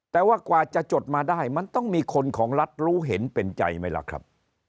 แต่ว่ากว่าจะจดมาได้มันต้องมีคนของรัฐรู้เห็นเป็นใจไหมล่ะครับ